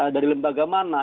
dari lembaga mana